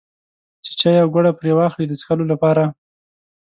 چې چای او ګوړه پرې واخلي د څښلو لپاره.